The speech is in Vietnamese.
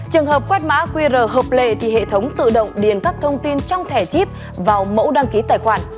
trường hợp quét mã qr hợp lệ thì hệ thống tự động điền các thông tin trong thẻ chip vào mẫu đăng ký tài khoản